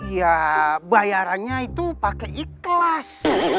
ya bayarannya itu pakai ikhlas